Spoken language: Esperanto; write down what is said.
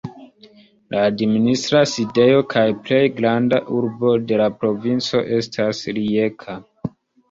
La administra sidejo kaj plej granda urbo de la provinco estas Rijeka.